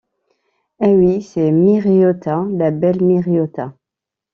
Eh! oui !... c’est Miriota... la belle Miriota !...